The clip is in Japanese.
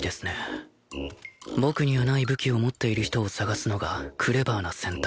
僕にはない武器を持っている人を探すのがクレバーな選択